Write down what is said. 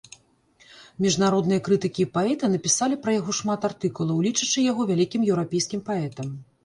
Міжнародныя крытыкі і паэты напісалі пра яго шмат артыкулаў, лічачы яго вялікім еўрапейскім паэтам.